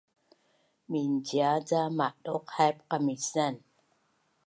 Mincia ca maduq haip qamisan